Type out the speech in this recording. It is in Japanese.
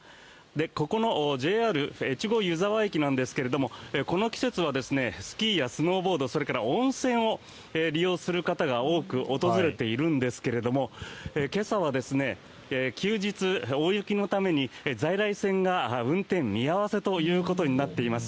ここのＪＲ越後湯沢駅なんですがこの季節はスキーやスノーボードそれから温泉を利用する方が多く訪れているんですが今朝は大雪のために在来線が運転見合わせとなっています。